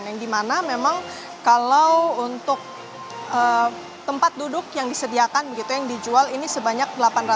yang di mana memang kalau untuk tempat duduk yang disediakan begitu yang dijual ini sebanyak delapan ratus empat puluh empat tujuh ratus empat puluh satu